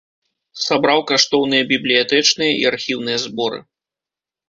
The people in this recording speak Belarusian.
Сабраў каштоўныя бібліятэчныя і архіўныя зборы.